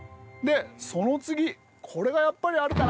その次これがやっぱりあるかな。